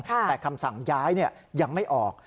แต่คำสั่งย้ายยังไม่ออก